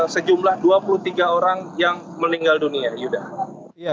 sejumlah dua puluh tiga orang yang meninggal dunia yuda